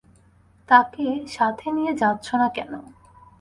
তাকে সাথে নিয়ে যাচ্ছ না কেন?